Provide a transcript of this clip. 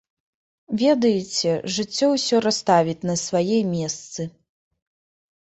Ведаеце, жыццё ўсё расставіць на свае месцы.